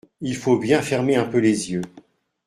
Il faut bien fermer un peu les yeux.